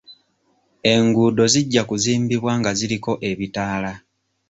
Enguudo zijja kuzimbibwa nga ziriko ebitaala.